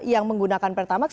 kemudian menggunakan pertamaks